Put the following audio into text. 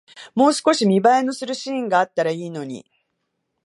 もう少し見栄えのするシーンがあったらいいのに